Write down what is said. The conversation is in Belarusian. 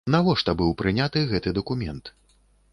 Навошта быў прыняты гэты дакумент?